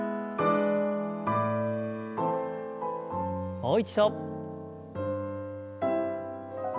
もう一度。